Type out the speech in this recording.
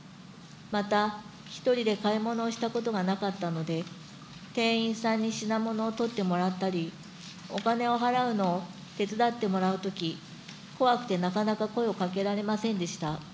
また１人で買い物をしたことがなかったので、店員さんに品物を取ってもらったり、お金を払うのを手伝ってもらうとき、怖くてなかなか声をかけられませんでした。